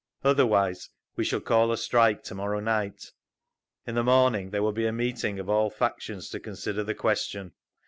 Otherwise we shall call a strike to morrow night…. In the morning there will be a meeting of all factions to consider the question.